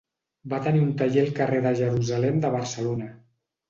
Va tenir un taller al carrer de Jerusalem de Barcelona.